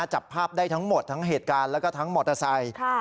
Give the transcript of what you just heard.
จับภาพได้ทั้งหมดทั้งเหตุการณ์แล้วก็ทั้งมอเตอร์ไซค์